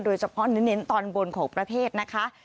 โดยเฉพาะเน้นตอนบนของประเทศนะคะ